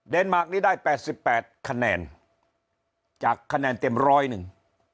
มาร์คนี้ได้๘๘คะแนนจากคะแนนเต็มร้อยหนึ่ง